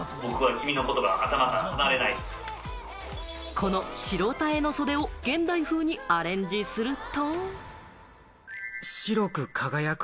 この白栲の袖を現代風にアレンジすると。